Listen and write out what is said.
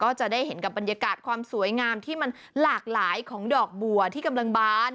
ก็จะได้เห็นกับบรรยากาศความสวยงามที่มันหลากหลายของดอกบัวที่กำลังบาน